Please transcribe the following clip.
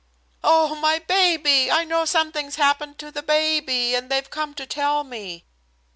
"Oh! my baby. I know something's happened to the baby and they've come to tell me."